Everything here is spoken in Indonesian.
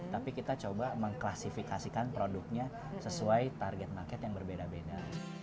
tapi kita coba mengklasifikasikan produknya sesuai target market yang berbeda beda